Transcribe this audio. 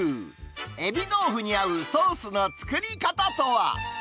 エビ豆腐に合うソースの作り方とは。